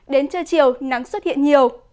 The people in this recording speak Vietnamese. đến trưa chiều nắng xuất hiện nhiều